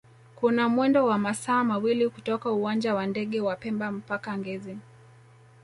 kuna mwendo wa masaa mawili kutoka uwanja wa ndege wa pemba mpaka ngezi